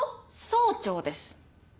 総長です。